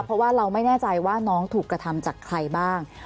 เพราะว่าเราไม่แน่ใจว่าน้องถูกกระทำจากใครบ้าง